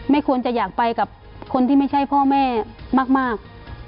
ควรจะอยากไปกับคนที่ไม่ใช่พ่อแม่มาก